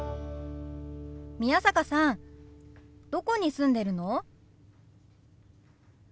宮坂さんどこに住んでるの？